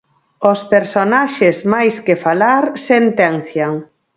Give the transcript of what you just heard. Os personaxes, máis que falar, sentencian.